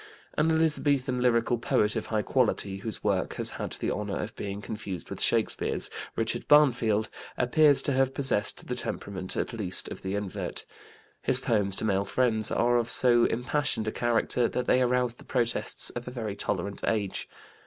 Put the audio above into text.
An Elizabethan lyrical poet of high quality, whose work has had the honor of being confused with Shakespeare's, Richard Barnfield, appears to have possessed the temperament, at least, of the invert. His poems to male friends are of so impassioned a character that they aroused the protests of a very tolerant age.